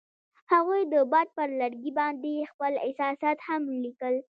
هغوی د باد پر لرګي باندې خپل احساسات هم لیکل.